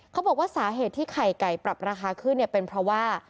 เขาบอกว่าสาเหตุที่ไข่ไก่ปรับราคาขึ้นเนี่ยเป็นเพราะว่า